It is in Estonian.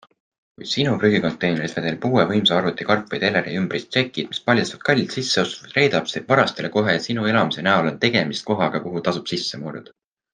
Kui sinu prügikonteineris vedeleb uue võimsa arvuti karp või teleriümbris, tšekid, mis paljastavad kallid sisseostud, reedab see varastele kohe, et sinu elamise näol on tegemist kohaga, kuhu tasub sisse murda.